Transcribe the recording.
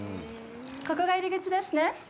ここが入り口ですね。